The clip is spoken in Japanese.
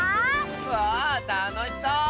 わあたのしそう！